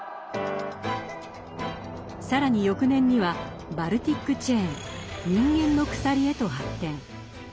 更に翌年にはバルティック・チェーン「人間の鎖」へと発展。